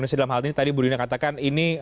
indonesia dalam hal ini tadi budina katakan ini